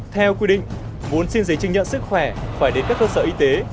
theo quy định muốn xin giấy chứng nhận sức khỏe phải đến các cơ sở y tế